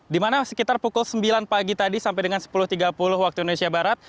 di mana sekitar pukul sembilan pagi tadi sampai dengan sepuluh tiga puluh waktu indonesia barat